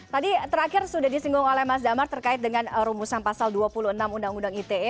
tadi terakhir sudah disinggung oleh mas damar terkait dengan rumusan pasal dua puluh enam undang undang ite